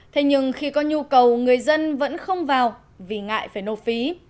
thế nhưng khi có nhu cầu người dân vẫn không vào vì ngại phải nộp phí